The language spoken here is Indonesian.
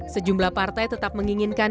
sejumlah partai tetap menginginkan